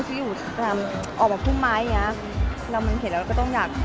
ดูแต่รู้สึกสงสาร